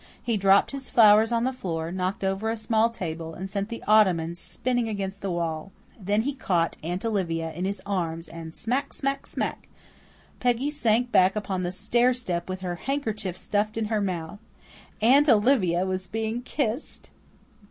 He dropped his flowers on the floor, knocked over a small table, and sent the ottoman spinning against the wall. Then he caught Aunt Olivia in his arms and smack, smack, smack! Peggy sank back upon the stair step with her handkerchief stuffed in her mouth. Aunt Olivia was being kissed!